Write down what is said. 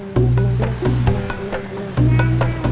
sampai jumpa lagi